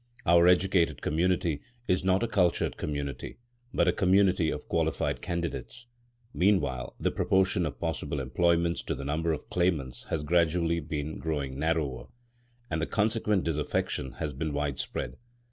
Our educated community is not a cultured community, but a community of qualified candidates. Meanwhile the proportion of possible employments to the number of claimants has gradually been growing narrower, and the consequent disaffection has been widespread.